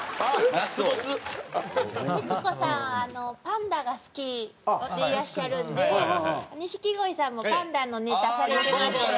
徹子さんはパンダが好きでいらっしゃるんで錦鯉さんもパンダのネタされてましたよね。